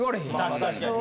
確かに。